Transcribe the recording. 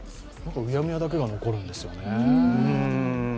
うやむやだけが残るんですよね。